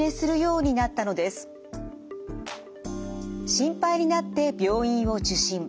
心配になって病院を受診。